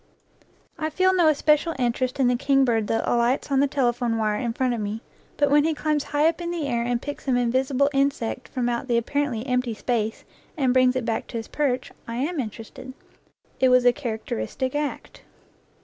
I feel no especial interest in the kingbird that alights on the telephone wire in front of me, but when he climbs high up in the air and picks some invisible insect from out the apparently empty space, and brings it back to his perch, I am inter ested. It was a characteristic act.